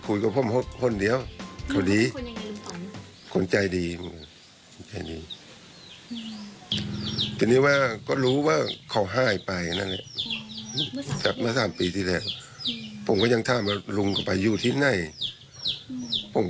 พวกเขาก็บอกอยู่นู้นอยู่อีกต้อง